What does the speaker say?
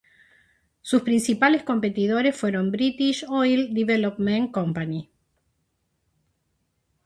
Sus principales competidores fueron British Oil Development Co.